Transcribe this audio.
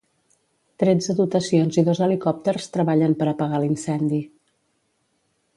Tretze dotacions i dos helicòpters treballen per apagar l'incendi.